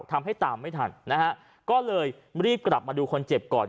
ทำให้ตามไม่ทันนะฮะก็เลยรีบกลับมาดูคนเจ็บก่อน